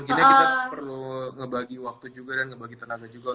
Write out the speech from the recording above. karena kita perlu ngebagi waktu juga dan ngebagi tenaga juga untuk